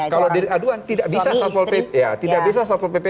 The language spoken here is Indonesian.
kalau delik aduan tidak bisa satpol pp